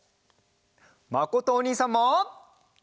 まことおにいさんも。